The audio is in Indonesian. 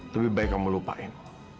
lebih baik kamu lupain